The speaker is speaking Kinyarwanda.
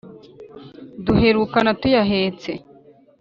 Duherukana tuyahetse